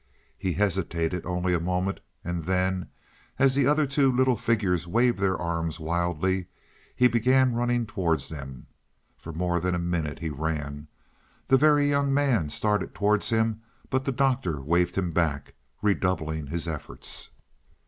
He hesitated only a moment, and then, as the other two little figures waved their arms wildly, he began running towards them. For more than a minute he ran. The Very Young Man started towards him, but the Doctor waved him back, redoubling his efforts.